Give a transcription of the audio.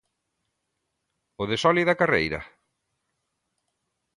O de sólida carreira?